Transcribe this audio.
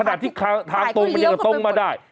โอ้ขนาดที่ทางตรงเขดตรงมาได้